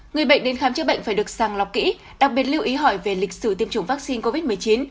người bệnh đến khám chữa bệnh phải được sàng lọc kỹ đặc biệt lưu ý hỏi về lịch sử tiêm chủng vaccine covid một mươi chín